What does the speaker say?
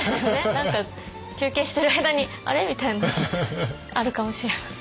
何か休憩してる間に「あれ？」みたいなあるかもしれません。